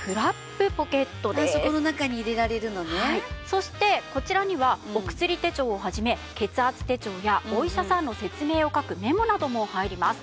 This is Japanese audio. そしてこちらにはお薬手帳を始め血圧手帳やお医者さんの説明を書くメモなども入ります。